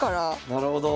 なるほど。